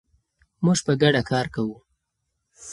موږ په ګډه کار کوو.